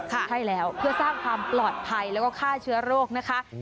ใช่แล้วเพื่อสร้างความปลอดภัยแล้วก็ฆ่าเชื้อโรคนะคะ